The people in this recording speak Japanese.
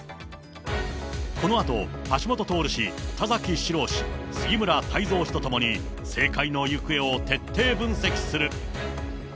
このあと、橋下徹氏、田崎史郎氏、杉村太蔵氏と共に、政界の行方を徹底分析する。